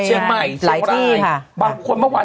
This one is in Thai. เชียงใหม่หลายที่ค่ะ